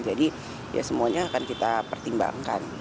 jadi ya semuanya akan kita pertimbangkan